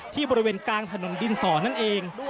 บริเวณกลางถนนดินสอนั่นเอง